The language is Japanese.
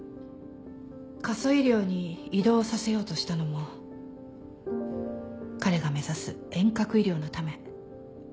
過疎医療に異動させようとしたのも彼が目指す遠隔医療のため。